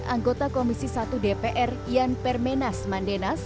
anggota komisi satu dpr yan permenas mandenas